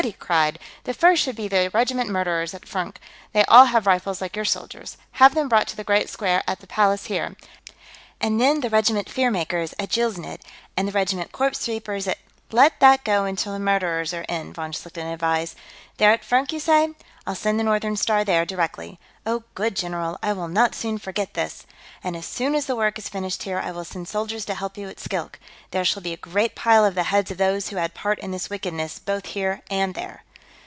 he cried. "The first should be the regiment Murderers, at Furnk; they all have rifles like your soldiers. Have them brought to the Great Square, at the Palace here. And then, the regiment Fear Makers, at Jeelznidd, and the regiment Corpse Reapers, at...." "Let that go until the Murderers are in," von Schlichten advised. "They're at Furnk, you say? I'll send the Northern Star there, directly." "Oh, good, general! I will not soon forget this! And as soon as the work is finished here, I will send soldiers to help you at Skilk. There shall be a great pile of the heads of those who had part in this wickedness, both here and there!"